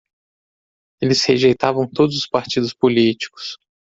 Eles rejeitavam todos os partidos políticos